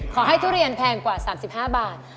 ขอให้ทุเรียนแพงกว่า๓๕บาท